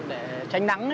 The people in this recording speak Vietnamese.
để tránh nắng